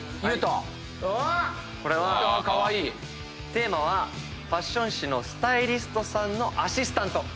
テーマはファッション誌のスタイリストさんのアシスタント。